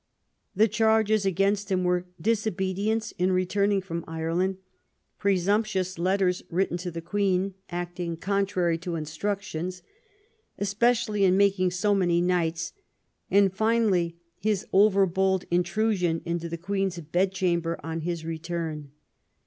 The charges against him were disobedience in returning from Ireland, presumptuous letters written to the Queen, acting contrary to instructions, especially in making so many knights, and finally his overbold intrusion into the Queen's bedchamber on his return.